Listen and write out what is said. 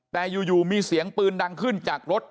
แต่อยู่มีเสียงปืนดังขึ้นจากรถ